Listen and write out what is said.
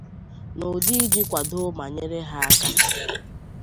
n'ụdị iji kwàdo ma nyere ha aka